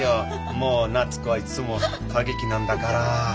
もう夏子はいつも過激なんだから。